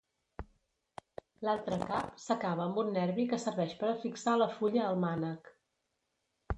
L'altre cap s'acaba amb un nervi que serveix per a fixar la fulla al mànec.